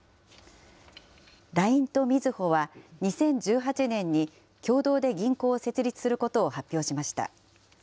ＬＩＮＥとみずほは２０１８年に、共同で銀行を設立することを発表しました。